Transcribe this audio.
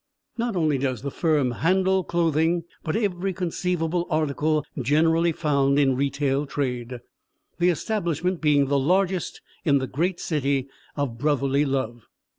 Not only does the firm handle clothing, but every conceivable article generally found in retail trade, the establishment being the largest in the great city of brotherly love.